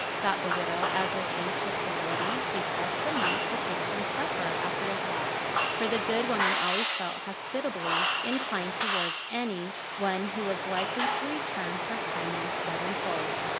thought the widow, as with anxious civility she pressed the monk to take some supper after his walk; for the good woman always felt hospitably inclined towards any one who was likely to return her kindness sevenfold.